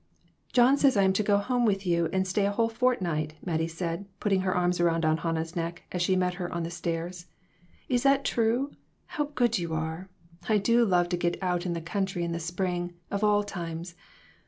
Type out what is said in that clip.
"John says I am to go home with you and stay a whole fortnight," Mattie said, putting her arms about Aunt Hannah's neck as she met her on the stairs. " Is that true ? How good you are. I do love to get out in the country in the spring, of all times.